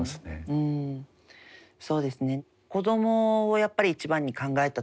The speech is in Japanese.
うんそうですね。